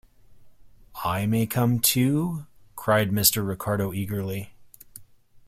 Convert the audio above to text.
"I may come too?" cried Mr. Ricardo eagerly.